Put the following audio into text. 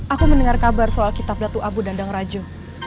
aku mendengar kabar soal kitab datu abu dandang raju